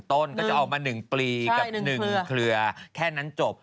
ต้นก็จะออกมา๑ปลีกับ๑เครือแค่นั้นจบ